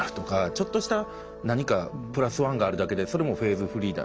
ちょっとした何かプラスワンがあるだけでそれもフェーズフリーだ。